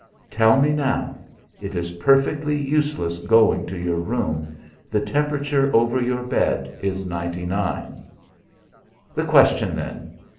"Tell me now; it is perfectly useless going to your room; the temperature over your bed is ninety nine." "The question, then!